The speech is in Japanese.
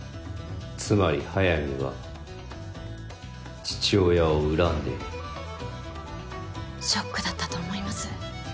つまり速水は父親を恨んでいるショックだったと思います。